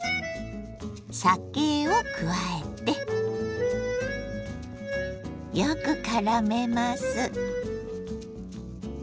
酒を加えてよくからめます。